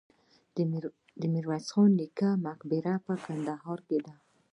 د میرویس نیکه مقبره په کندهار کې ده